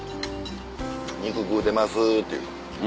肉食うてますっていう。